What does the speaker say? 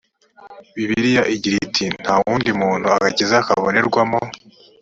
bibiliya igira iti nta wundi muntu agakiza kabonerwamo